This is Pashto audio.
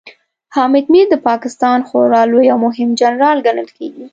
حامد میر د پاکستان خورا لوی او مهم خبريال ګڼل کېږي